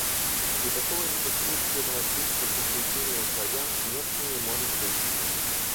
И такого непосредственного чувства к угнетению Славян нет и не может быть.